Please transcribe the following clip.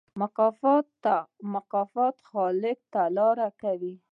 مکافات خالق تعالی راکوي.